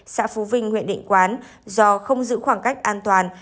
xã phú vinh huyện định quán do không giữ khoảng cách an toàn